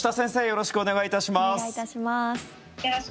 よろしくお願いします。